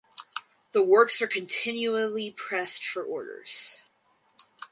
The works are continually pressed for orders.